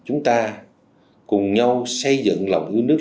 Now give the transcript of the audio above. chúng ta cùng nhau xây dựng lòng yêu nước